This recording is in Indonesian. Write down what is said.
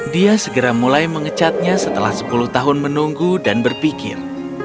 dia segera mulai mengecatnya setelah sepuluh tahun menunggu dan berpikir